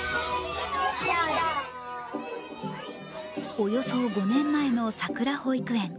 およそ５年前のさくら保育園。